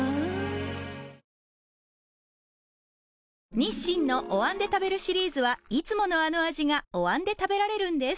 日清のお椀で食べるシリーズはいつものあの味がお椀で食べられるんです